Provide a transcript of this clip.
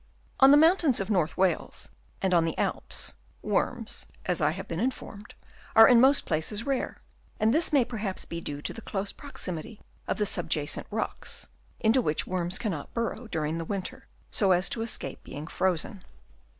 On the mountains of North Wales and on the Alps, worms, as I have been informed, are in most places rare ; and this may perhaps be due to the close proximity of the sub jacent rocks, into which worms cannot burrow during the winter so as to escape being frozen.